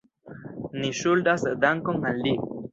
Ni ŝuldas dankon al li.